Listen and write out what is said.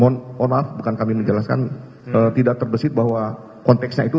mohon maaf bukan kami menjelaskan tidak terbesit bahwa konteksnya itu